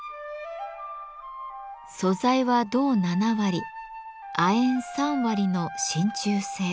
素材は銅７割亜鉛３割の真鍮製。